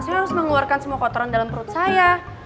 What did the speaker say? saya harus mengeluarkan semua kotoran dalam perut saya